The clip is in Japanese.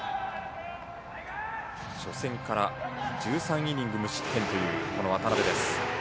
初戦から１３イニング無失点という渡邊です。